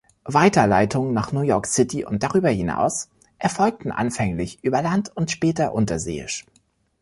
Weiterleitungen nach New York City und darüber hinaus erfolgten anfänglich über Land und später unterseeisch.